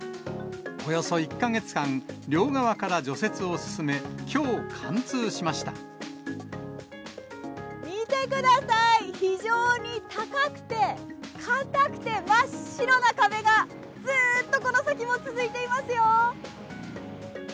およそ１か月間、両側から除雪を見てください、非常に高くて、硬くて、真っ白な壁が、ずっとこの先も続いていますよ。